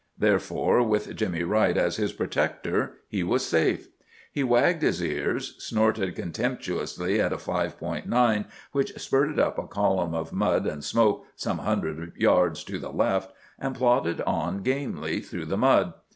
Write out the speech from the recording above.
Therefore, with Jimmy Wright as his protector he was safe. He wagged his ears, snorted contemptuously at a 5.9 which spurted up a column of mud and smoke some hundred yards to the left, and plodded on gamely through the mud.